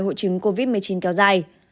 hội chứng covid một mươi chín kéo dài